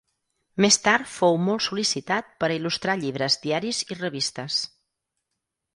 Més tard fou molt sol·licitat per a il·lustrar llibres, diaris i revistes.